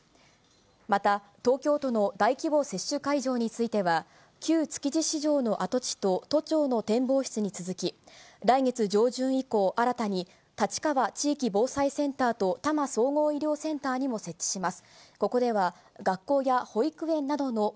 また東京都の大規模接種会場については、旧築地市場の跡地と、都庁の展望室に続き、来月上旬以降、新たに、立川地域防災センターと多摩総合医療センターにも設置します。